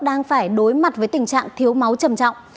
đang phải đối mặt với tình trạng thiếu máu trầm trọng